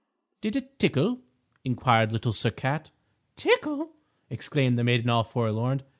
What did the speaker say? "Did it tickle?" inquired Little Sir Cat. "Tickle!" exclaimed the Maiden All Forlorn.